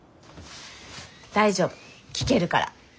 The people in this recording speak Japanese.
大丈夫聞けるから。